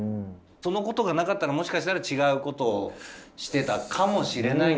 そのことがなかったらもしかしたら違うことをしてたかもしれないんだけど。